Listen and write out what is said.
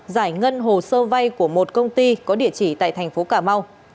giải ngân hồ sơ vay của một công ty có địa chỉ tại thành phố cà mau